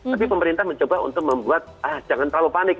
tapi pemerintah mencoba untuk membuat jangan terlalu panik